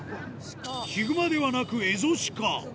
ヒグマではなく、エゾシカ。